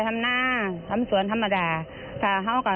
โอ้โห